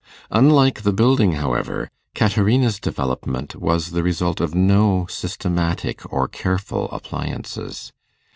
Unlike the building, however, Caterina's development was the result of no systematic or careful appliances.